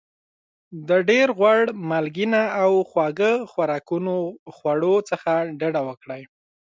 د ډېر غوړ مالګېنه او خواږه خوراکونو خواړو څخه ډاډه وکړئ.